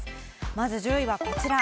まず１０位はこちら。